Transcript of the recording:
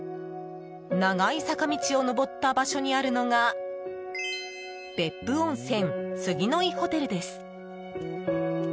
長い坂道を上った場所にあるのが別府温泉杉乃井ホテルです。